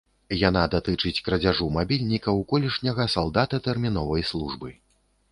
Яна датычыць крадзяжу мабільніка ў колішняга салдата тэрміновай службы.